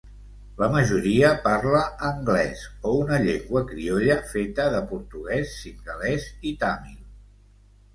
La majoria parla anglès o una llengua criolla feta de portuguès, singalès i tàmil.